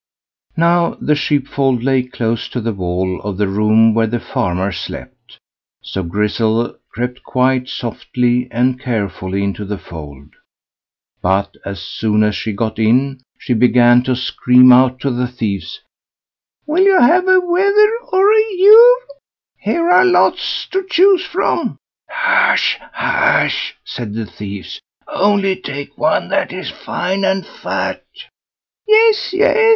Now, the sheepfold lay close to the wall of the room where the farmer slept, so Grizzel crept quite softly and carefully into the fold; but, as soon as she got in, she began to scream out to the thieves, "Will you have a wether or a ewe? here are lots to choose from." "Hush, hush!" said the thieves, "only take one that is fine and fat." "Yes, yes!